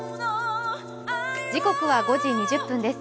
時刻は５時２０分です。